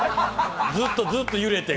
ずっとずっと揺れて。